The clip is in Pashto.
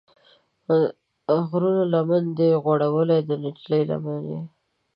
غرونو لمن ده غوړولې، د نجلۍ لمن یې